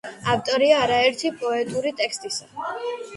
ავტორია არაერთი პოეტური ტექსტისა.